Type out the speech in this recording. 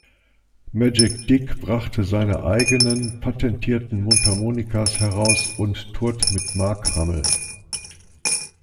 Magic Dick brachte seine eigenen patentierten Mundharmonikas heraus und tourt mit Mark Hummel.